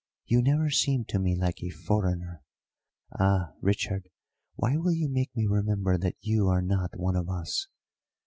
You never seemed to me like a foreigner; ah, Richard, why will you make me remember that you are not one of us!